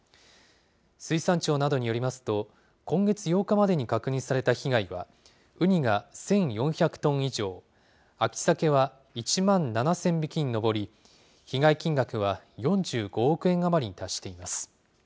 水産庁などによりますと、今月８日までに確認された被害は、ウニが１４００トン以上、秋サケは１万７０００匹に上り、被害金額は４５億円余りに達しています。